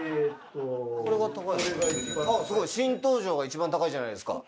新登場が一番高いじゃないですか。